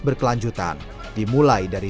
berkelanjutan dimulai dari